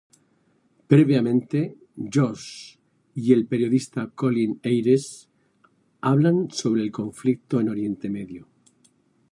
Previamente, Josh y el periodista Colin Ayres hablan sobre el conflicto en Oriente Medio.